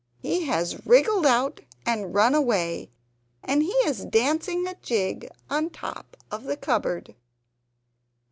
He has wriggled out and run away; and he is dancing a jig on top of the cupboard!